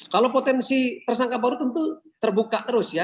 kalau potensi tersangka baru tentu terbuka terus ya